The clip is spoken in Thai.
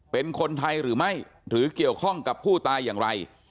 เป็นคนไทยหรือไม่หรือเกี่ยวข้องกับผู้ตายอย่างไร